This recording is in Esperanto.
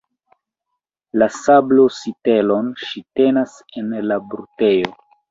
La sablo-sitelon ŝi tenas en la brutejo.